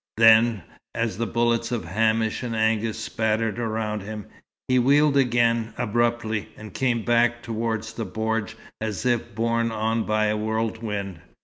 Then, as the bullets of Hamish and Angus spattered round him, he wheeled again abruptly and came back towards the bordj as if borne on by a whirlwind.